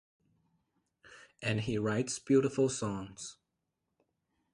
And he writes beautiful songs.